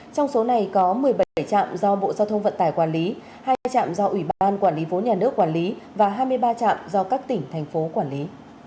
trong số này có một mươi bảy trạm do bộ giao thông vận tải quản lý hai trạm do ủy ban quản lý vốn nhà nước quản lý và hai mươi ba trạm do các tỉnh thành phố quản lý